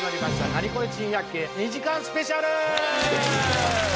『ナニコレ珍百景』２時間スペシャル！